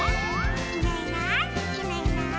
「いないいないいないいない」